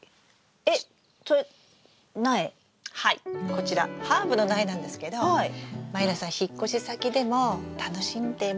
こちらハーブの苗なんですけど満里奈さん引っ越し先でも楽しんでもらえないかなと思って。